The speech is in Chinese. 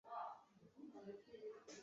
为成吉思汗四杰之一木华黎裔孙。